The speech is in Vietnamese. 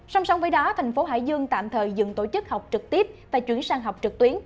song song với đó tp hcm tạm thời dựng tổ chức học trực tiếp và chuyển sang học trực tuyến